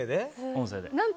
音声で。